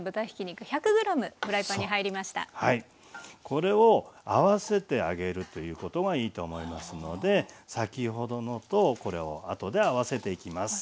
これを合わせてあげるということがいいと思いますので先ほどのとこれを後で合わせていきます。